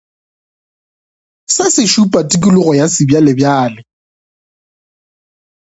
Se se šupa tikologo ya sebjalebjale.